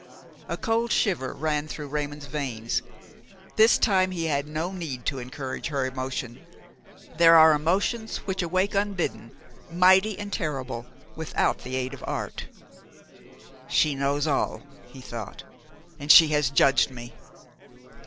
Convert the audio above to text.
A cold shiver ran through Raymon's veins. This time he had no need to encourage her emotion; there are emotions which awake unbidden, mighty and terrible, without the aid of art. "She knows all," he thought, "and she has judged me."